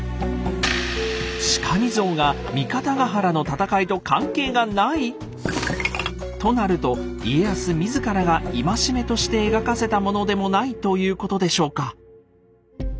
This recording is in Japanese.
「しかみ像」が三方ヶ原の戦いと関係がない⁉となると家康自らが戒めとして描かせたものでもないということでしょうか。